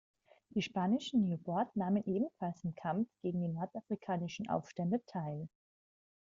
Die spanischen Nieuport nahmen ebenfalls im Kampf gegen die nordafrikanischen Aufständischen teil.